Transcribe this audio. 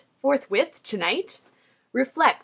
forthwith? tonight? Reflect.